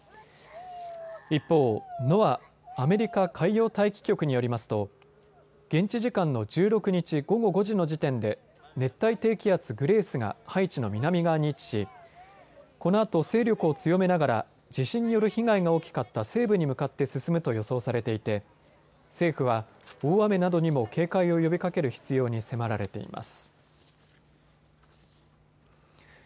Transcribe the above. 一方、ＮＯＡＡ・アメリカ海洋大気局によりますと現地時間の１６日午後５時の時点で熱帯低気圧グレースがハイチの南側に位置しこのあと勢力を強めながら地震による被害が大きかった西部に向かって進むと予想されていて政府は大雨などにも警戒を呼びかける必要に迫られています。